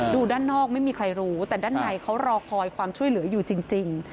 ด้านนอกไม่มีใครรู้แต่ด้านในเขารอคอยความช่วยเหลืออยู่จริง